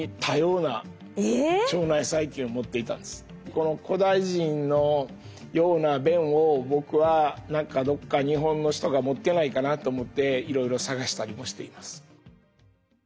この古代人のような便を僕は何かどこか日本の人が持ってないかなと思っていろいろ探したりもしています。